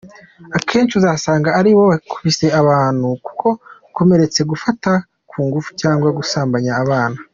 Akenshi, uzasanga ari bo bakubise abantu no kubakomeretsa, gufata ku ngufu, cyangwa gusambanya abana.